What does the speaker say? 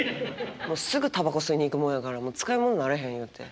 もうすぐにタバコ吸いに行くもんだから使いもんならへん言うて。